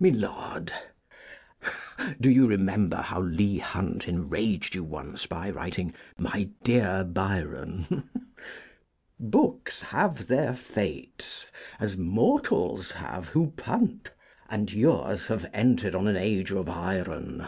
My Lord, (Do you remember how Leigh Hunt Enraged you once by writing My dear Byron?) Books have their fates, as mortals have who punt, And yours have entered on an age of iron.